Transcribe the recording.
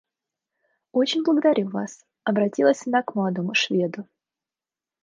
Очень благодарю вас, — обратилась она к молодому Шведу.